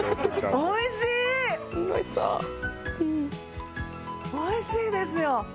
おいしいですよ！